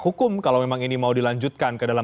hukum kalau memang ini mau dilanjutkan ke dalam